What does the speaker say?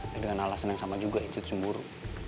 dan dengan alasan yang sama juga itu cemburu